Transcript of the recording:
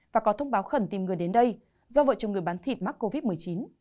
và có thông báo khẩn tìm người đến đây do vợ chồng người bán thịt mắc covid một mươi chín